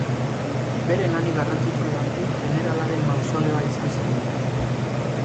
Bere lanik garrantzitsuena Prim jeneralaren mausoleoa izan zen.